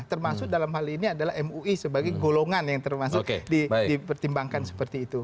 termasuk dalam hal ini adalah mui sebagai golongan yang termasuk dipertimbangkan seperti itu